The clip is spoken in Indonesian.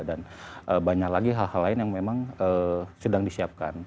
dan banyak lagi hal hal lain yang memang sedang disiapkan